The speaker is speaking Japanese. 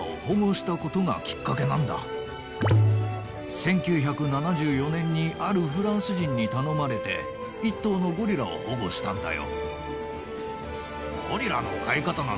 １９７４年にあるフランス人に頼まれて１頭のゴリラを保護したんだよ。